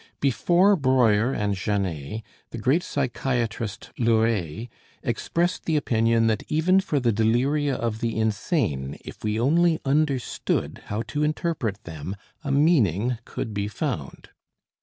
Before Breuer and Janet, the great psychiatrist Leuret expressed the opinion that even for the deliria of the insane, if we only understood how to interpret them, a meaning could be found.